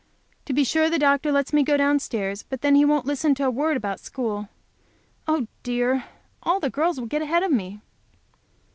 To be sure the doctor lets me go down stairs, but then he won't listen to a word about school. Oh, dear! All the girls will get ahead of me.